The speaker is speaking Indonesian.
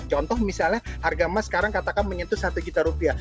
contoh misalnya harga emas sekarang katakan menyentuh satu juta rupiah